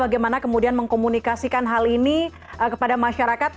bagaimana kemudian mengkomunikasikan hal ini kepada masyarakat